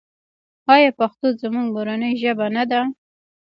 آیا پښتو زموږ مورنۍ ژبه نه ده؟